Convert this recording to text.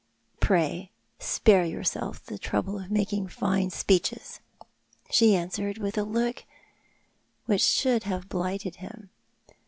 " Pray spare yourself the trouble of making fine speeches," she answered, with a look which should have blighted him.